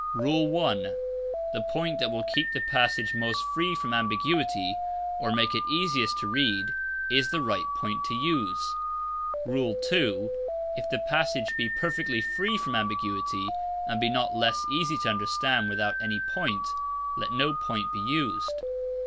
(1) The point that will keep the passage most free from ambiguity, or make it easiest to read, is the right point to use. (2) _If the passage be perfectly free from ambiguity and be not less easy to understand without any point, let no point be used.